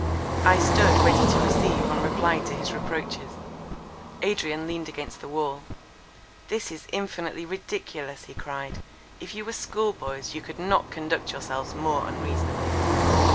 I stood ready to receive and reply to his reproaches. Adrian leaned against the wall. "This is infinitely ridiculous," he cried, "if you were school boys, you could not conduct yourselves more unreasonably."